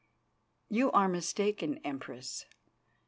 "You are mistaken, Empress.